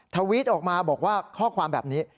ทวิตออกมาบอกว่าข้อความแบบนี้